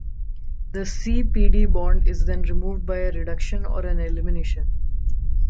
The C-Pd bond is then removed by a reduction or an elimination.